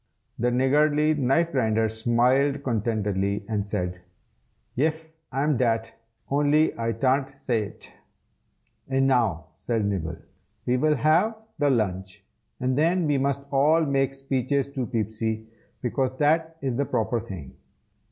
The Niggardly Knife Grinder smiled contentedly, and said, "Yef, I'm dat, only I tan't say it." "And now," said Nibble, "we will have the lunch, and then we must all make speeches to Peepsy, because that is the proper thing.